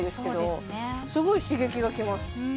すごい刺激がきます